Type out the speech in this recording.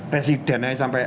presidennya ini sampai